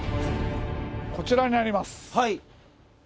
こちらにあります。